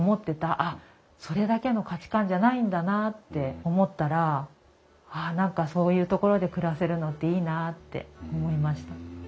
あっそれだけの価値観じゃないんだなって思ったらああ何かそういうところで暮らせるのっていいなって思いました。